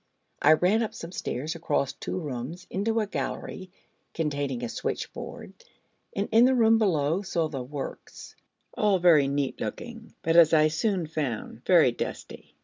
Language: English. I ran up some stairs, across two rooms, into a gallery containing a switch board, and in the room below saw the works, all very neat looking, but, as I soon found, very dusty.